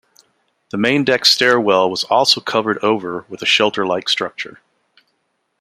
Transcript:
The main deck stairwell was also covered over with a shelter-like structure.